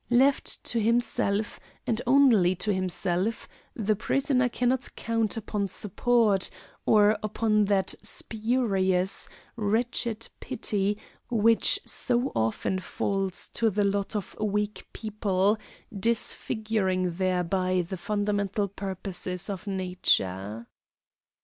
Left to himself, and only to himself, the prisoner cannot count upon support, or upon that spurious, wretched pity which so often falls to the lot of weak people, disfiguring thereby the fundamental purposes of nature.